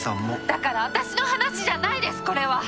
だから私の話じゃないですこれは。